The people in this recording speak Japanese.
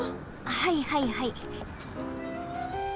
はいはいはい。